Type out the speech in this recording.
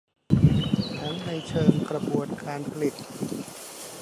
ทั้งในเชิงกระบวนการผลิต